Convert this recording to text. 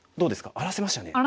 荒らせましたね。